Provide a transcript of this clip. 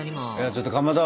ちょっとかまど。